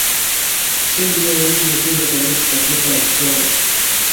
Sydney ni mji mkubwa kabisa katika Australia.